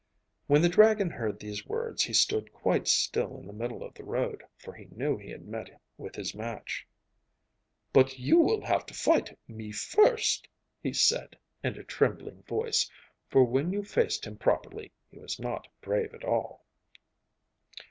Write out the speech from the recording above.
When the dragon heard these words he stood quite still in the middle of the road, for he knew he had met with his match. 'But you will have to fight me first,' he said in a trembling voice, for when you faced him properly he was not brave at all.